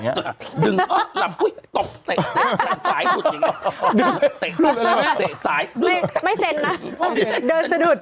มึงก็ปล๊อกไปเลยนะ